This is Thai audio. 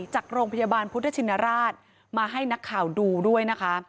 จากโรงพยาบาลพุทธชินราชมาให้นักข่าวดูด้วยนะคะ